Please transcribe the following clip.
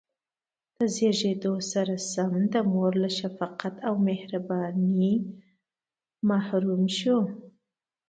له زېږېدو سره سم د مور له شفقت او مهربانۍ محروم شو.